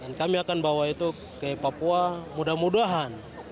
kami akan bawa itu ke papua mudah mudahan